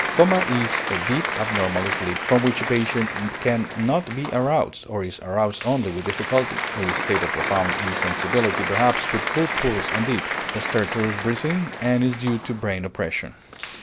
Coma is a deep, abnormal sleep, from which the patient can not be aroused, or is aroused only with difficulty, a state of profound insensibility, perhaps with full pulse and deep, stertorous breathing, and is due to brain oppression.